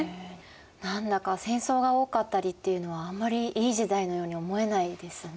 何だか戦争が多かったりっていうのはあんまりいい時代のように思えないですね。